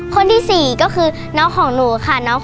คนที่๔ก็คือน้องของหนูค่ะ